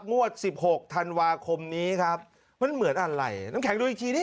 งวดสิบหกธันวาคมนี้ครับมันเหมือนอะไรน้ำแข็งดูอีกทีดิ